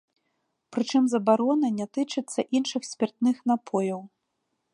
Прычым забарона не тычыцца іншых спіртных напояў.